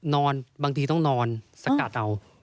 บางทีต้องนอนสกัดเอา